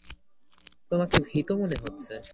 তোমাকে ভীত মনে হচ্ছে।